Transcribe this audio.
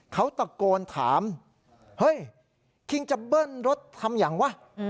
เขาตะโกนถามเฮ้ยคิงจะเบิ้ลรถทำยังวะ